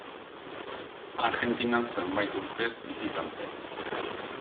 Argentinan zenbait urtez bizi izan zen.